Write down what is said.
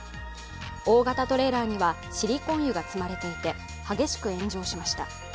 大型トレーラーにはシリコン油が積まれていて、激しく炎上しました。